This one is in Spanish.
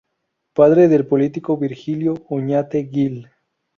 Padre del político Virgilio Oñate Gil.